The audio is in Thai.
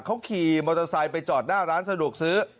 เขาขี่มอเตอร์ไซค์ไปจอดหน้าร้านสะดวกซื้อ